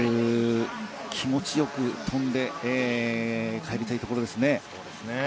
気持ちよく飛んで帰りたいところですね。